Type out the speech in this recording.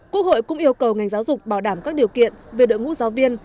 quốc hội cũng yêu cầu ngành giáo dục bảo đảm các điều kiện về đội ngũ giáo viên